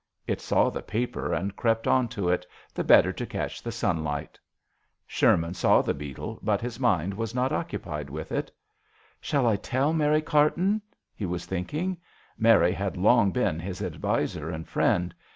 It saw the paper and crept on to it, the better to catch the sunlight. Sherman saw the beetle but his mind was not occupied with it. " Shall I tell Mary Carton ?" he was thinking. Mary had long been his adviser and friend.